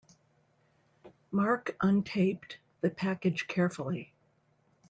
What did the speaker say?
Mark untaped the package carefully.